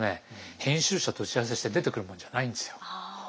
編集者と打ち合わせして出てくるもんじゃないんですよ。